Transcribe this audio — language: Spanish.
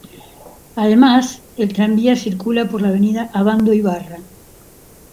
Además, el tranvía circula por la avenida Abandoibarra.